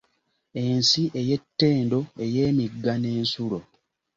Ensi ey’ettendo ey’emigga n’ensulo.